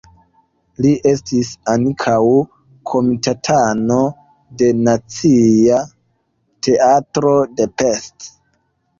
Li estis ankaŭ komitatano de Nacia Teatro de Pest.